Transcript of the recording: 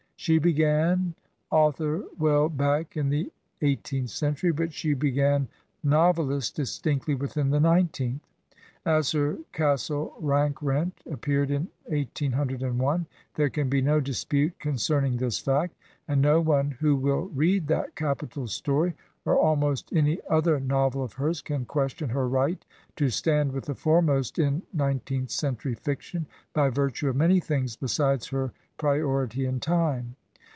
She began author Well back iri the eighteenth century, but she began nov eUst distinctly within the nineteenth. As her "Castle Rackrent " appeared in 1801, there can be no dispute con cerning this fact; and no one who will read that capital story, or almost any other novel of hers, can question her right to stand with the foremost in nineteenth cen tuty fiction by virtue of many things besides her pri ority in time.